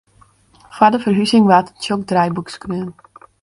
Foar de ferhuzing waard in tsjok draaiboek skreaun.